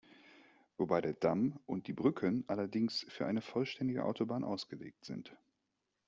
Wobei der Damm und die Brücken allerdings für eine vollständige Autobahn ausgelegt sind.